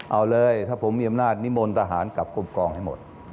เอาเลยถ้าผมมีอำนาจนิมนต์ทหารกลับกลมกองให้หมด